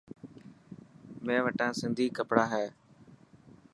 مين وتان سنڌي ڪپڙا هي.